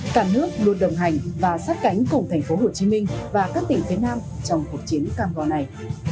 cả nước luôn đồng hành và sát cánh cùng thành phố hồ chí minh và các tỉnh phía nam trong cuộc chiến cam vò này